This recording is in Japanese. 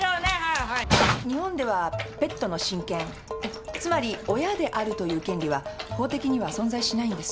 日本ではペットの親権つまり親であるという権利は法的には存在しないんです。